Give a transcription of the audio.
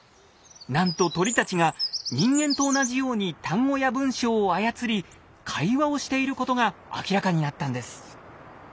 なんと鳥たちが人間と同じように単語や文章を操り会話をしていることが明らかになったんです。